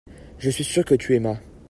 je suis sûr que tu aimas.